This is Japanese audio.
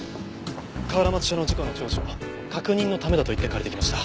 河原町署の事故の調書確認のためだと言って借りてきました。